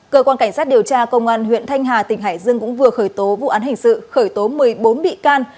cơ quan cảnh sát điều tra công an huyện thanh hà tỉnh hải dương cũng vừa khởi tố vụ án hình sự khởi tố một mươi bốn bị can